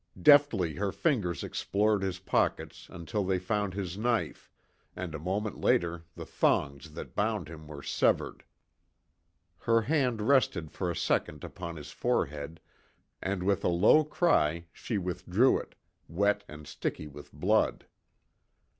Deftly her fingers explored his pockets until they found his knife, and a moment later the thongs that bound him were severed. Her hand rested for a second upon his forehead, and with a low cry she withdrew it, wet and sticky with blood.